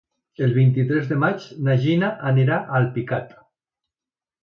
El vint-i-tres de maig na Gina anirà a Alpicat.